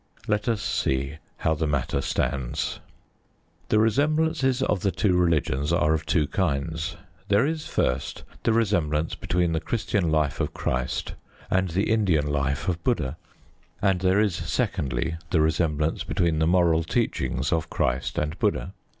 Let us see how the matter stands. The resemblances of the two religions are of two kinds. There is, first, the resemblance between the Christian life of Christ and the Indian life of Buddha; and there is, secondly, the resemblance between the moral teachings of Christ and Buddha.